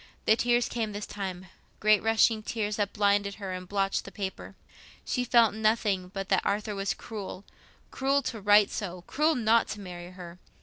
The tears came this time—great rushing tears that blinded her and blotched the paper. She felt nothing but that Arthur was cruel—cruel to write so, cruel not to marry her.